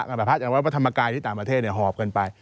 พระอาจารย์วัดพระธรรมกายที่ต่างประเทศหอบกันไป